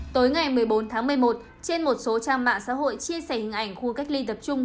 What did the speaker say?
tối ngày một mươi bốn tháng một mươi một trên một số trang mạng xã hội chia sẻ hình ảnh khu cách ly tập trung